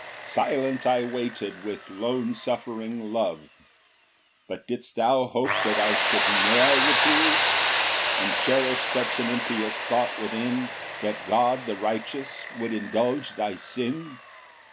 8 Silent I waited with lone suffering love, But didst thou hope that I should ne'er reprove? And cherish such an impious thought within, That God the righteous would indulge thy sin?